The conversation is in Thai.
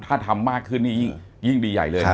ถ้าทำมากขึ้นนี่ยิ่งดีใหญ่เลย